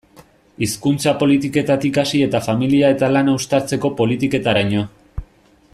Hezkuntza politiketatik hasi eta familia eta lana uztartzeko politiketaraino.